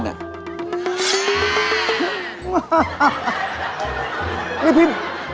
นี่พี่